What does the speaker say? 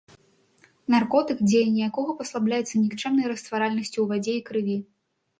Наркотык, дзеянне якога паслабляецца нікчэмнай растваральнасцю ў вадзе і крыві.